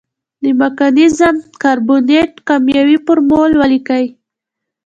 د مګنیزیم کاربونیټ کیمیاوي فورمول ولیکئ.